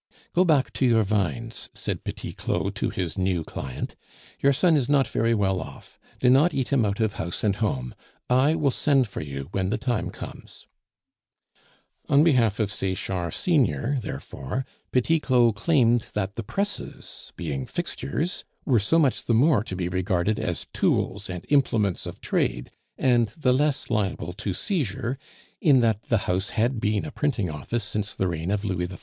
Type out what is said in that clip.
"Go back to your vines," said Petit Claud to his new client. "Your son is not very well off; do not eat him out of house and home. I will send for you when the time comes." On behalf of Sechard senior, therefore, Petit Claud claimed that the presses, being fixtures, were so much the more to be regarded as tools and implements of trade, and the less liable to seizure, in that the house had been a printing office since the reign of Louis XIV.